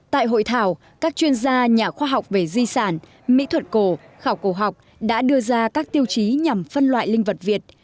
tại hội thảo các chuyên gia nhà khoa học về di sản mỹ thuật cổ khảo cổ học đã đưa ra các tiêu chí nhằm phân loại linh vật việt